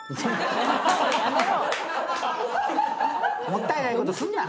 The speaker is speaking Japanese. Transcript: もったいないことすんな！